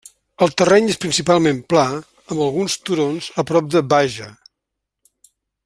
El terreny és principalment pla amb alguns turons a prop de Baja.